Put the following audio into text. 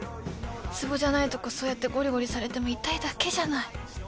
つぼじゃないとこそうやってごりごりされても痛いだけじゃない